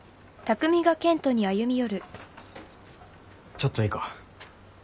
ちょっといいか？